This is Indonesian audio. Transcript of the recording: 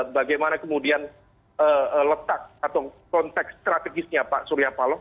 bagaimana kemudian letak atau konteks strategisnya pak surya paloh